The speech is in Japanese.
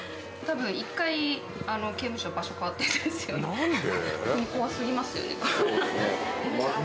何で？